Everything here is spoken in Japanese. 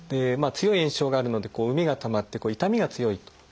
強い炎症があるので膿がたまって痛みが強いと。